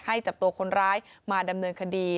จับตัวคนร้ายมาดำเนินคดี